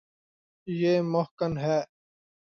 یے مہکن ہے